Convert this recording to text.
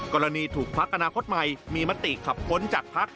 กรณีถูกพักอนาคตใหม่มีมติขับพ้นจากพัก